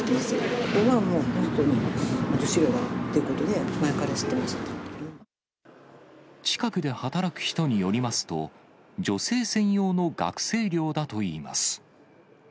ここは女子寮だってことで、近くで働く人によりますと、女性専用の学生寮だといいます。